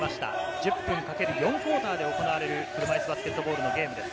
１０分×４クオーターで行われる車いすバスケとボールのゲームです。